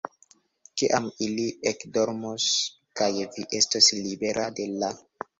Kiam ili ekdormos kaj vi estos libera de la.